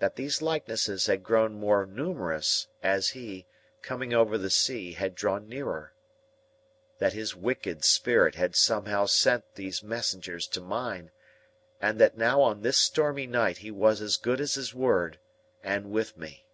That these likenesses had grown more numerous, as he, coming over the sea, had drawn nearer. That his wicked spirit had somehow sent these messengers to mine, and that now on this stormy night he was as good as his word, and with me.